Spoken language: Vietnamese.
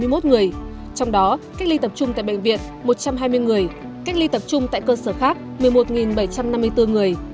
trong đó cách ly tập trung tại bệnh viện một trăm hai mươi người cách ly tập trung tại cơ sở khác một mươi một bảy trăm năm mươi bốn người